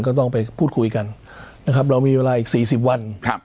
ก็ต้องไปพูดคุยกันนะครับเรามีเวลาอีก๔๐วัน